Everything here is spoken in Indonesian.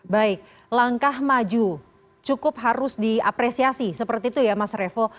baik langkah maju cukup harus diapresiasi seperti itu ya mas revo